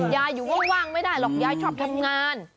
ยายอยู่ว่างไม่ได้หรอกยายชอบทำงาน